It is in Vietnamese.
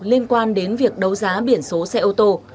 liên quan đến việc đấu giá biển số xe ô tô